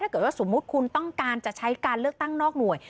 ถ้าเกิดว่าสมมุติคุณต้องการจะใช้การเลือกตั้งนอกหน่วย